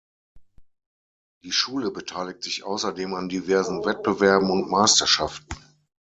Die Schule beteiligt sich außerdem an diversen Wettbewerben und Meisterschaften.